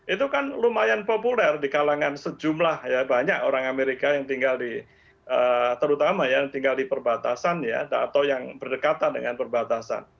itu kan lumayan populer di kalangan sejumlah banyak orang amerika yang tinggal di perbatasan atau yang berdekatan dengan perbatasan